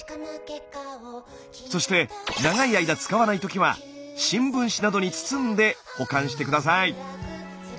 そして長い間使わない時は新聞紙などに包んで保管して下さい。